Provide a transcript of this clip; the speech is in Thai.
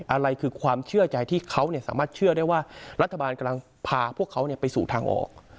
อะไรคือความเชื่อใจที่เขาสามารถเชื่อได้ว่ารัฐบาลกำลังพาพวกเขาไปสู่ทางออก